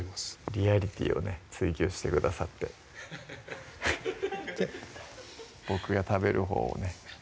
リアリティーをね追求してくださって僕が食べるほうをね